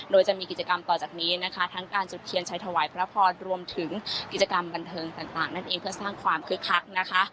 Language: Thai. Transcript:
โดยจะมีกิจกรรมต่อจากนี้ทั้งการจุดเคียนชัยถวายพระพอร์ตรวมถึงกิจกรรมบันเทิงต่างเพื่อสร้างความคือคัก